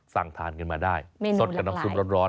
สั่งทานกันมาได้สดกับน้ำซุปร้อน